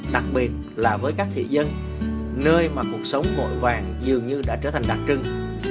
đặc biệt là với các thị dân nơi mà cuộc sống vội vàng dường như đã trở thành đặc trưng